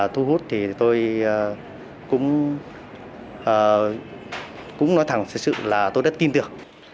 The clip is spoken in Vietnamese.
thu hút thì tôi cũng nói thẳng sự sự là tôi đã tin được